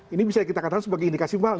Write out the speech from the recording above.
ini bisa kita katakan sebagai indikasi mal nih